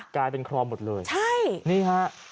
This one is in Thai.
กลายเป็นคลอร์มหมดเลยนี้ครับใช่